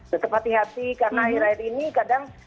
tetap hati hati karena akhir akhir ini kadang